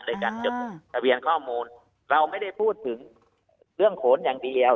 ในการเจ็บข้อมูลเราไม่ได้พูดถึงเครื่องโถนอย่างเดียว